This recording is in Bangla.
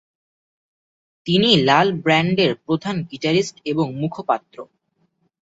তিনি লাল ব্যান্ডের প্রধান গিটারিস্ট এবং মুখপাত্র।